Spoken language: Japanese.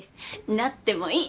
なってもいい！